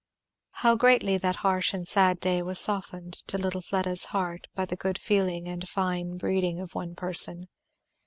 How greatly that harsh and sad day was softened to little Fleda'a heart by the good feeling and fine breeding of one person.